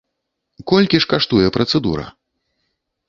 Колькі ж каштуе працэдура?